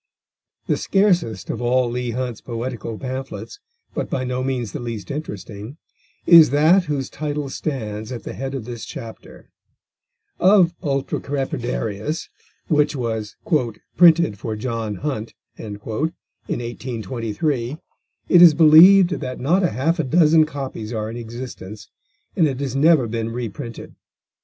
The scarcest of all Leigh Hunt's poetical pamphlets, but by no means the least interesting, is that whose title stands at the head of this chapter. Of Ultra crepidarius, which was "printed for John Hunt" in 1823, it is believed that not half a dozen copies are in existence, and it has never been reprinted.